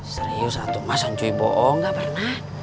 satu satu masan cuy bohong nggak pernah